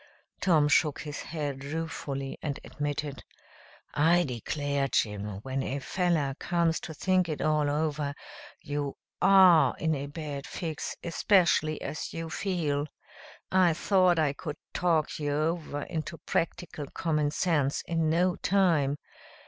Tom shook his head ruefully and admitted, "I declare, Jim, when a feller comes to think it all over, you ARE in a bad fix, especially as you feel. I thought I could talk you over into practical common sense in no time.